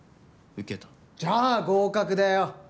じゃあ合格だよ。